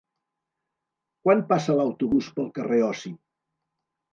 Quan passa l'autobús pel carrer Osi?